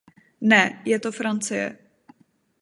Ne, je to Francie!